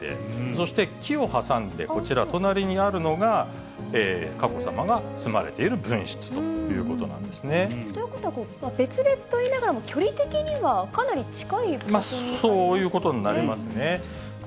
そして木を挟んで、こちら、隣にあるのが佳子さまが住まわれている分室ということなんですね。ということは、別々といいながらも距離的には、そういうことになりますね。